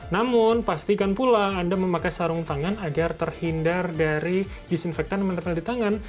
namun pastikan pula anda memakai sarung tangan agar terhindar dari disinfektan yang menempel di tangan